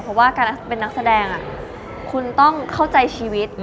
เพราะว่าการเป็นนักแสดงคุณต้องเข้าใจชีวิต